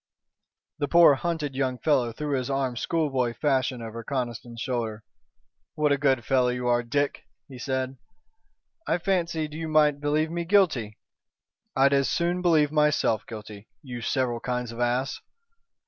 The poor, hunted young fellow threw his arm schoolboy fashion over Conniston's shoulder. "What a good fellow you are, Dick!" he said. "I fancied you might believe me guilty." "I'd as soon believe myself guilty, you several kinds of ass."